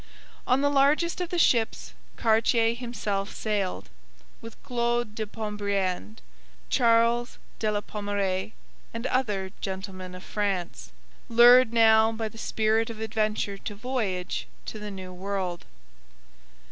On the largest of the ships Cartier himself sailed, with Claude de Pont Briand, Charles de la Pommeraye, and other gentlemen of France, lured now by a spirit of adventure to voyage to the New World.